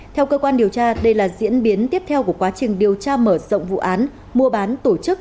theo cơ quan điều tra đây là diễn biến tiếp theo của quá trình điều tra mở rộng vụ án mua bán tổ chức